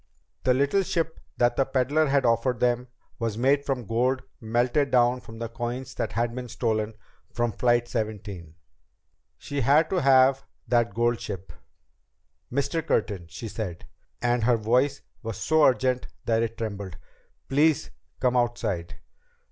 That little ship that the peddler had offered them was made from gold melted down from the coins that had been stolen from Flight 17! She had to have that gold ship! "Mr. Curtin," she said, and her voice was so urgent that it trembled, "please come outside."